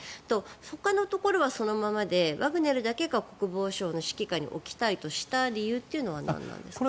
ほかのところはそのままでワグネルだけが国防省の指揮下に置きたいとした理由というのは何なんでしょうか。